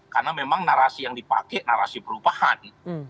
karena memang narasi yang dipakai narasi perubahan